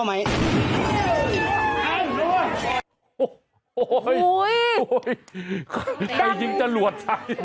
โอ้ยว้ยใครจึงจะหลวดไส่